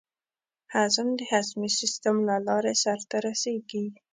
هضم د هضمي سیستم له لارې سر ته رسېږي.